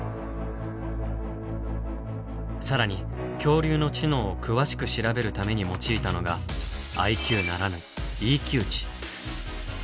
更に恐竜の知能を詳しく調べるために用いたのがＩＱならぬＥＱ値。